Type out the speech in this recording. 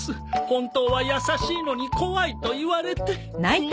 本当は優しいのに怖いと言われて。